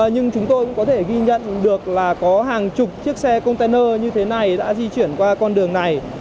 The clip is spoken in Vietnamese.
nhưng chúng tôi cũng có thể ghi nhận được là có hàng chục chiếc xe container như thế này đã di chuyển qua con đường này